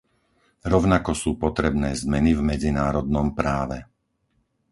Rovnako sú potrebné zmeny v medzinárodnom práve.